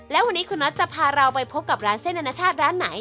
และวันนี้คุณน็อตจะพาเราไปพบกับร้านเส้นอนาชาติร้านไหน